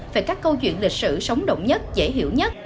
về các câu chuyện lịch sử sống động nhất dễ hiểu nhất